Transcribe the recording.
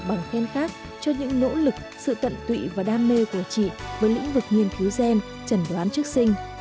bằng khen khác cho những nỗ lực sự tận tụy và đam mê của chị với lĩnh vực nghiên cứu gen trần đoán trước sinh